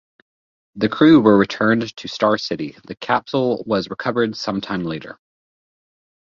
The crew were returned to Star City; the capsule was recovered some time later.